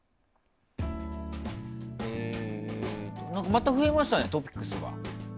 また増えましたねトピックスが。